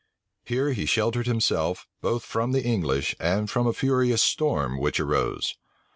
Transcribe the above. Here he sheltered himself, both from the English, and from a furious storm which arose.